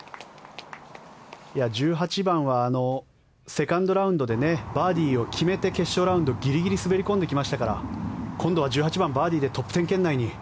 １８番はセカンドラウンドでバーディーを決めて決勝ラウンドギリギリ滑り込んできましたから今度は１８番、バーディーでトップ１０圏内に。